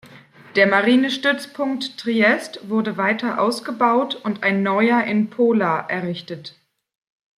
Der Marinestützpunkt Triest wurde weiter ausgebaut und ein neuer in Pola errichtet.